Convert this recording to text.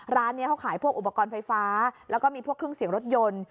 ร้านนี้เขาขายพวกอุปกรณ์ไฟฟ้าแล้วก็มีพวกเครื่องเสียงรถยนต์